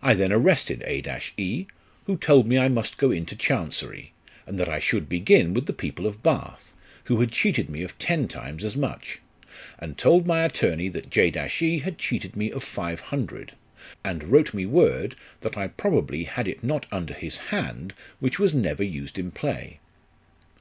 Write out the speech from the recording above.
"I then arrested A e, who told me I must go into Chancery, and that I should begin with the people of Bath, who had cheated me of ten times as much ; and told my attorney that J e had cheated me of 500, and wrote me word that I probably had it not under his hand, which never was used in play.